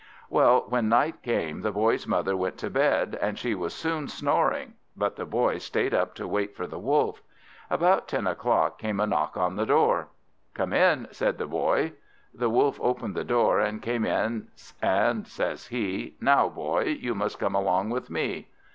Well, when night came, the Boy's mother went to bed, and she was soon snoring, but the Boy stayed up to wait for the Wolf. About ten o'clock came a knock at the door. "Come in," said the Boy. The Wolf opened the door, and came in, and says he, "Now, Boy, you must come along with me."